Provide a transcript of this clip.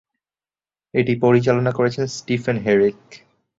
এটি পরিচালনা করেছেন স্টিফেন হেরেক।